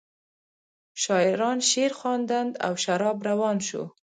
شاعران شعرخواندند او شراب روان شو.